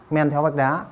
men theo vách đá